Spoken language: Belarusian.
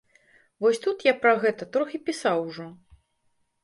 Вось тут я пра гэта трохі пісаў ужо.